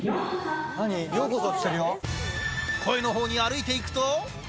声のほうに歩いて行くと。